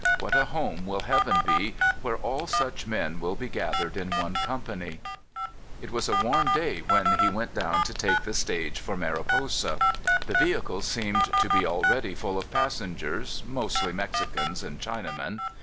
What a home will heaven be where all such men will be gath ered in one company! It was a warm day w^hen he went down to take the stage for Mariposa. The vehicle seemed to be already full of passengers, mostly Mexicans and Chinamen.